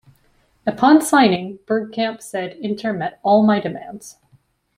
Upon signing, Bergkamp said Inter met all my demands.